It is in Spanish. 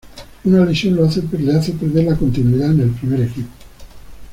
Una lesión lo hace perder la continuidad en el primer equipo.